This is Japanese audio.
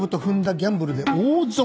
ギャンブルで大損。